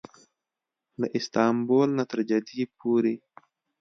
له استانبول نه تر جدې پورې.